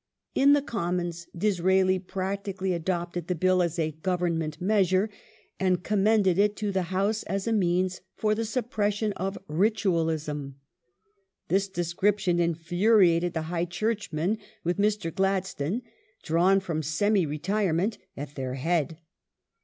In the Commons Disraeli practically adopted the Bill as a Government measure and commended it to the House as a means for "the suppression of rituaUsm". This description infuriated the High Churchmen with Mr. Gladstone — drawn from semi retirement — at their head.